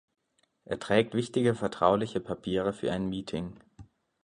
Er trägt wichtige vertrauliche Papiere für ein Meeting.